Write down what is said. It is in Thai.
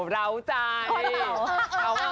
หบับทุกคน